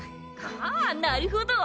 ああなるほど！